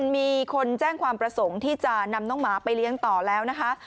มีคนแจ้งความประสงค์ที่จะนำน้องหมาไปเลี้ยงต่อแล้วนะคะ